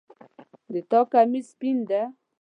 د تا کمیس سپین ده